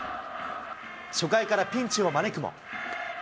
初回からピンチを招くも。